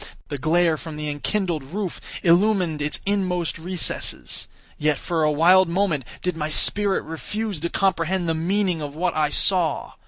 The glare from the enkindled roof illumined its inmost recesses. Yet, for a wild moment, did my spirit refuse to comprehend the meaning of what I saw.